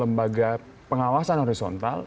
lembaga pengawasan horizontal